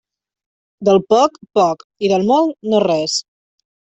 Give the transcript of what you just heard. Del poc, poc, i del molt, no res.